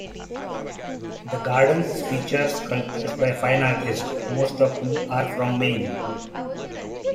The gardens feature sculptures by fine artists, most of whom are from Maine.